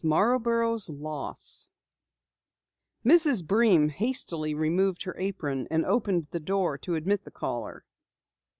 MARBOROUGH'S LOSS_ Mrs. Breen hastily removed her apron and opened the door to admit the caller.